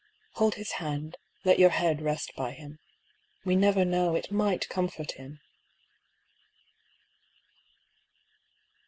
Hold his hand ; let your head rest by him. We never know, it might comfort him